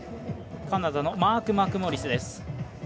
カナダのマーク・マクモリスです。